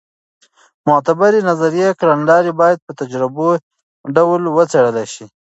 معتبرې نظري کړنلارې باید په تجربي ډول وڅېړل سي.